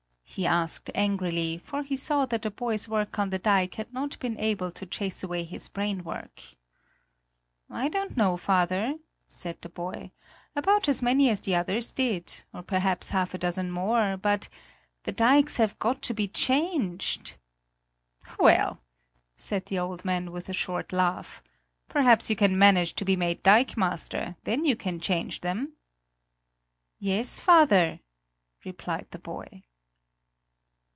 he asked angrily, for he saw that the boy's work on the dike had not been able to chase away his brainwork. "I don't know, father," said the boy; "about as many as the others did, or perhaps half a dozen more; but the dikes have got to be changed!" "Well," said the old man with a short laugh, "perhaps you can manage to be made dikemaster; then you can change them." "Yes, father," replied the boy.